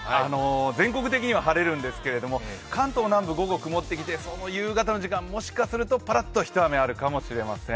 全国的には晴れるんですけども関東南部、午後曇ってきて夕方の時間、もしかしたらパラッと一雨あるかもしれません。